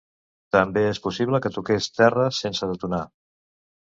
També és possible que toqués terra sense detonar.